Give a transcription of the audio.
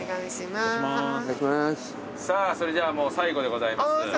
さあそれじゃあもう最後でございます。